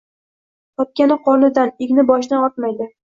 Topgani qornidan, egni-boshidan ortmaydi